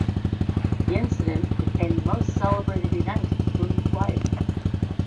The incident became the most celebrated event of Boone's life.